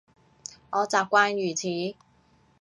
我習慣如此